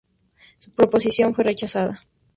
Su proposición fue rechazada.